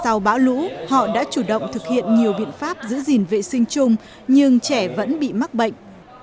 sau bão lũ họ đã chủ động thực hiện nhiều biện pháp giữ gìn vệ sinh chung nhưng trẻ vẫn bị mắc bệnh